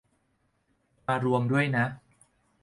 มารวมด้วยนะ